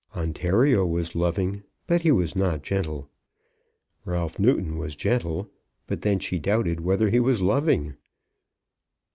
Ontario was loving, but he was not gentle. Ralph Newton was gentle, but then she doubted whether he was loving.